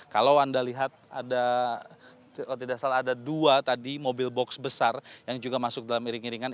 kalau anda lihat ada kalau tidak salah ada dua tadi mobil box besar yang juga masuk dalam iring iringan